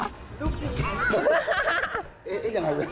ลูกจริง